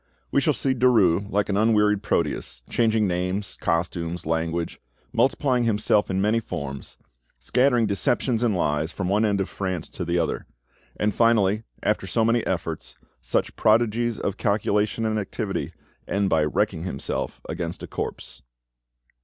We shall see Derues like an unwearied Proteus, changing names, costumes, language, multiplying himself in many forms, scattering deceptions and lies from one end of France to the other; and finally, after so many efforts, such prodigies of calculation and activity, end by wrecking himself against a corpse.